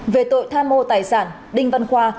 về tội than mô tài sản đinh văn khoa